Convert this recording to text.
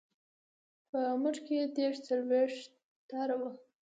په مټ کې یې دېرش څلویښت تاره وه.